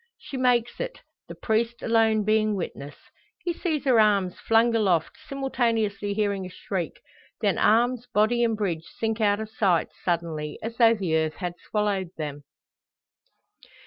She makes it, the priest alone being witness. He sees her arms flung aloft, simultaneously hearing a shriek; then arms, body, and bridge sink out of sight suddenly, as though the earth had swallowed them!